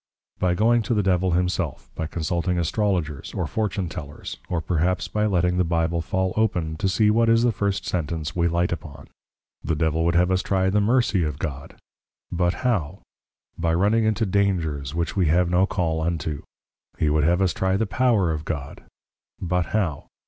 By going to the Devil himself; by Consulting Astrologers, or Fortune Tellers; or perhaps by letting the Bible fall open, to see what is the first Sentence we light upon. The Devil would have us trie the Mercy of God, but how? By running into Dangers, which we have no call unto. He would have us trie the Power of God; but how?